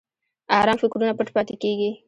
ارام فکرونه پټ پاتې کېږي.